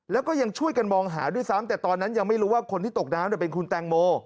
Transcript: แล้วก็ยังช่วยกันมองหาด้วยซ้ำแต่ตอนนั้นยังไม่รู้ว่าคนที่ตกน้ำเป็นคุณแตงโม